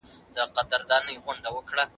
والوتل خوبونه تعبیرونو ته به څه وایو